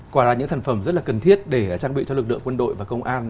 quả là những sản phẩm rất là cần thiết để trang bị cho lực lượng quân đội và công an